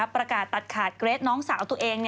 ประกาศตัดขาดเกรทน้องสาวตัวเอง